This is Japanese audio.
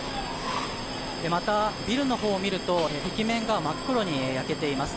また、ビルのほうを見ると壁面が真っ黒に焼けています。